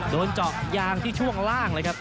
โดนเจาะยางที่ช่วงล่างเลยครับ